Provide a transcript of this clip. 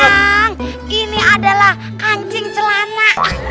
yang ini adalah kancing celana